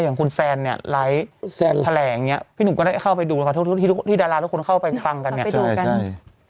อย่างคุณแซนเนี้ยไลฟ์แผลงเนี้ยพี่หนุ่มก็ได้เข้าไปดูแล้วกันทุกทุกทุกที่ดาราทุกคนเข้าไปฟังกันเนี้ย